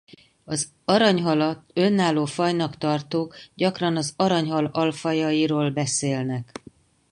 Az aranyhalat önálló fajnak tartók gyakran az aranyhal alfajairól beszélnek.